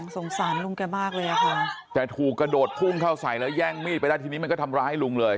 สงสารลุงแกมากเลยอ่ะคุณแต่ถูกกระโดดพุ่งเข้าใส่แล้วแย่งมีดไปแล้วทีนี้มันก็ทำร้ายลุงเลย